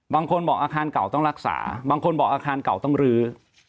บางคนบอกอาคารเก่าต้องรักษาบางคนบอกอาคารเก่าต้องลื้อ